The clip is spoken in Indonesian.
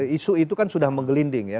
isu itu kan sudah menggelinding ya